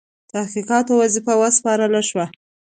تحقیقاتو وظیفه وسپارله شوه.